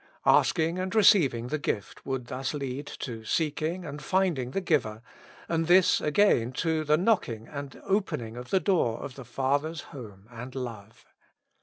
Asking and receiving the gift would thus lead to seeking and finding the Giver, and this again to the knocking and opening of the door of the Father's home and love.